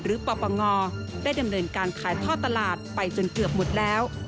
ปปงได้ดำเนินการขายท่อตลาดไปจนเกือบหมดแล้ว